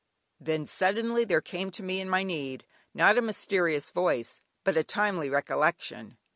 Then suddenly there came to me in my need, not a mysterious voice, but a timely recollection.